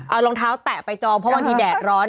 เอารองเท้าแตะไปจองเพราะบางทีแดดร้อน